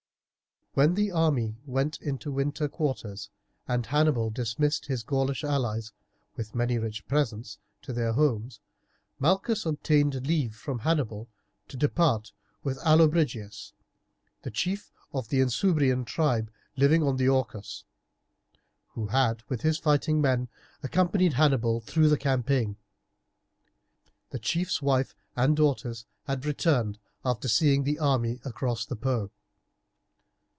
When the army went into winter quarters, and Hannibal dismissed his Gaulish allies, with many rich presents, to their homes, Malchus obtained leave from Hannibal to depart with Allobrigius the chief of the Insubrian tribe living on the Orcus who had, with his fighting men, accompanied Hannibal through the campaign. The chief's wife and daughters had returned after seeing the army across the Po.